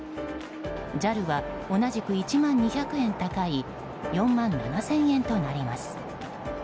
ＪＡＬは同じく１万２００円高い４万７０００円となります。